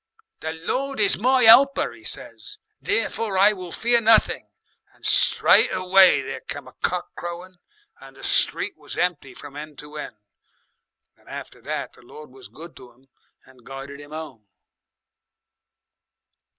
'The Lord is my 'Elper, 'e says, 'therefore I will fear nothing,' and straightaway there came a cock crowing and the street was empty from end to end. And after that the Lord was good to 'im and guided 'im 'ome."